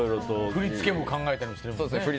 振り付けも考えたりしてるもんね。